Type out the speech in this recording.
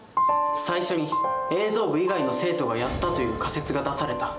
最初に映像部以外の生徒がやったという仮説が出された。